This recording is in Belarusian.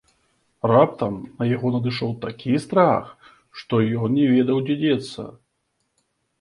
Раптам на яго надышоў такі страх, што ён не ведаў, дзе дзецца.